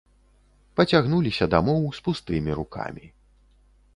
Пацягнуліся дамоў з пустымі рукамі.